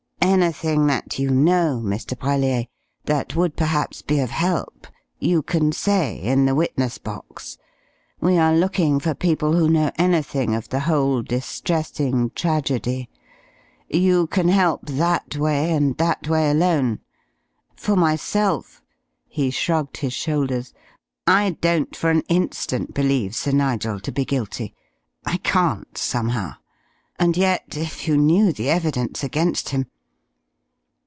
"Anything that you know, Mr. Brellier, that would perhaps be of help, you can say in the witness box. We are looking for people who know anything of the whole distressing tragedy. You can help that way, and that way alone. For myself," he shrugged his shoulders, "I don't for an instant believe Sir Nigel to be guilty. I can't, somehow. And yet if you knew the evidence against him